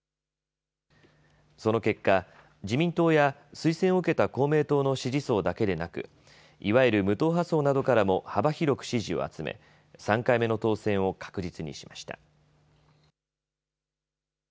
その結果、自民党や推薦を受けた公明党の支持層だけでなくいわゆる無党派層などからも幅広く支持を集め、３回目の当選を確実にしました。